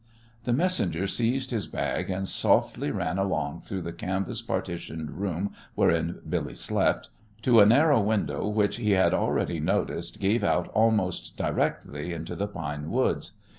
The messenger seized his bag and softly ran along through the canvas partitioned room wherein Billy slept, to a narrow window which he had already noticed gave out almost directly into the pine woods.